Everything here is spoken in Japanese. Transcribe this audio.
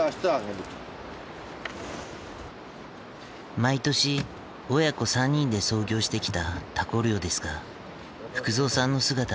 毎年親子３人で操業してきたタコ漁ですが福蔵さんの姿がありません。